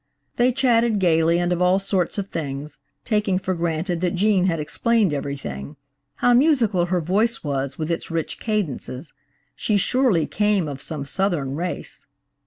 They chatted gaily and of all sorts of things, taking for granted that Gene had explained everything. How musical her voice was, with its rich cadences! She surely came of some Southern race!